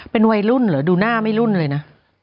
เป็นวัยรุ่นเหรอดูหน้าไม่รุ่นเลยนะ